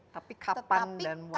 tapi kapan dan waktu